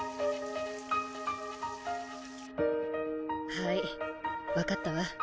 はい分かったわ。